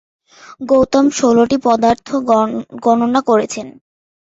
গৌতম ষোলটি পদার্থ গণনা করেছেন।